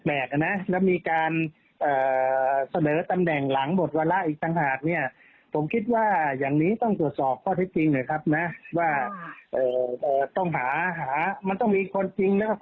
เพราะฉะนั้นมันจะกลายเป็นว่า